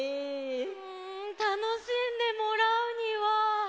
うんたのしんでもらうには。